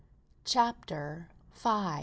CHAPTER V.